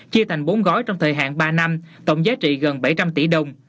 chia thành bốn gói trong thời hạn ba năm tổng giá trị gần bảy trăm linh tỷ đồng